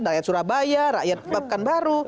rakyat surabaya rakyat pemapukan baru